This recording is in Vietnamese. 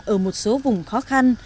ở một số vùng khó khăn